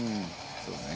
そうね。